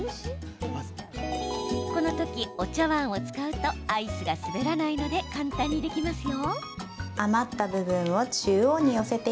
この時、お茶わんを使うとアイスが滑らないので簡単にできますよ。